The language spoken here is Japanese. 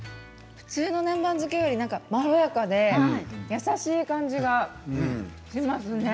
普通の南蛮漬けよりまろやかで優しい感じがしますね。